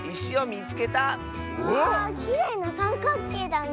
わあきれいなさんかっけいだね。